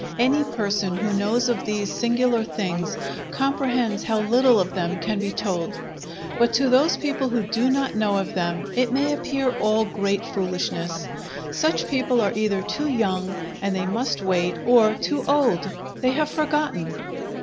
Any person who knows of these singular things comprehends how little of them can be told; but to those people who do not know of them, it may appear all great foolishness. Such people are either too young, and they must wait, or too old they have forgotten!